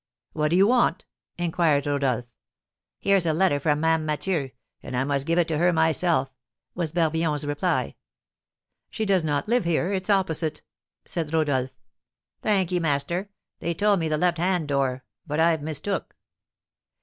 "What do you want?" inquired Rodolph. "Here's a letter for Ma'am Mathieu, and I must give it to her myself," was Barbillon's reply. "She does not live here, it's opposite," said Rodolph. "Thank ye, master. They told me the left hand door; but I've mistook."